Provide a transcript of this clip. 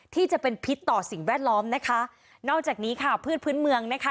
ที่จะเป็นพิษต่อสิ่งแวดล้อมนะคะนอกจากนี้ค่ะพืชพื้นเมืองนะคะ